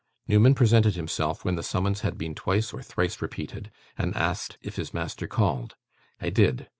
Newman presented himself when the summons had been twice or thrice repeated, and asked if his master called. 'I did.